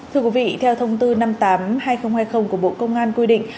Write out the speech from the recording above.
thưa quý vị theo thông tư năm mươi tám hai nghìn hai mươi của bộ công an quy định